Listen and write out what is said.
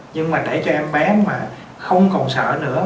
nhưng mà để cho em bé mà không còn sợ nữa